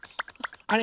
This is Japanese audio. あれ？